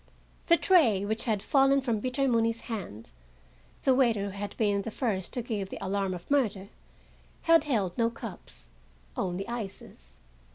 The tray, which had fallen from Peter Mooney's hand,—the waiter who had been the first to give the alarm of murder,—had held no cups, only ices.